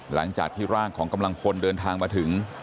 หลังจากที่ร่างของกำลังพลเดินทางมาถึง